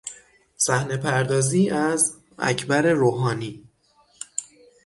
صحنه پردازی از: اکبر روحانی